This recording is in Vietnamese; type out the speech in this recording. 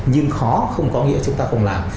nhưng khó không có nghĩa chúng ta không làm